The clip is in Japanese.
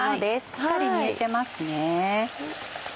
しっかり煮えてますね。